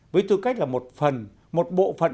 với tư cách là một phần một bộ phận